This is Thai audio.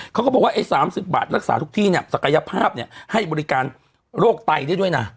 เขาก็บอกว่าไอ้๓๐บาทรักษาทุกที่เนี่ยศักยภาพให้บริการโรคไตได้ด้วยนะ